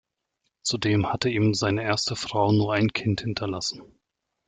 Zudem hatte ihm seine erste Frau nur ein Kind hinterlassen.